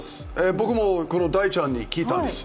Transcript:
僕もこの大ちゃんに聞いたんです。